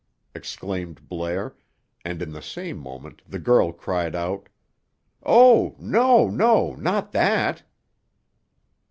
exclaimed Blair; and, in the same moment, the girl cried out, "Oh, no, no. Not that!"